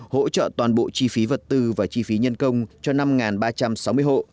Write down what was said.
hỗ trợ toàn bộ chi phí vật tư và chi phí nhân công cho năm ba trăm sáu mươi hộ